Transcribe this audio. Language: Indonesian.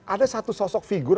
ada satu sosok figur